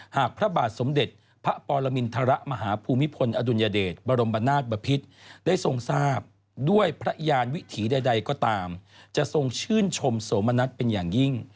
พระบาทสมเด็จพระปรมินทรมาหาภูมิพลอดุลยเดชบรมนาศบพิษได้ทรงทราบด้วยพระยานวิถีใดก็ตามจะทรงชื่นชมโสมณัฐเป็นอย่างยิ่ง